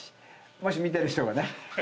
もし見てる人がね。